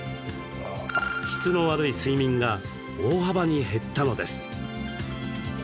質の悪い睡眠が大幅に減ったのです。